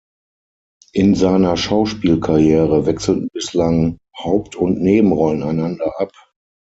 In seiner Schauspielkarriere wechselten bislang Haupt- und Nebenrollen einander ab.